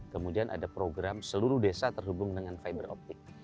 kemudian ada program seluruh desa terhubung dengan fiber optic